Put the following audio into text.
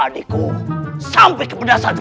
jalur tangan aku sedang hidup semua setelah tuhan